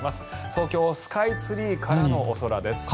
東京スカイツリーからのお空です。